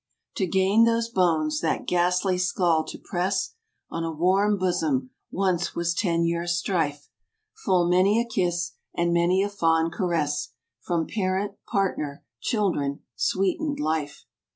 To gain those bones, that ghastly scull to press On a warm bosom, once was ten years' strife; Full many a kiss, and many a fond caress, From parent, partner, children, sweetened life.